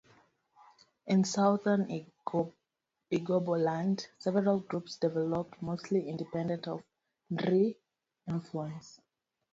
In southern Igboland several groups developed mostly independent of Nri influence.